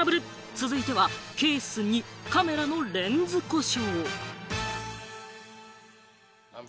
続いてはケース２、カメラのレンズ故障。